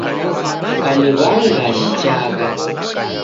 Kaniw'anga nichagha